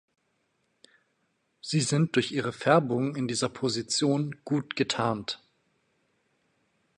Sie sind durch ihre Färbung in dieser Position gut getarnt.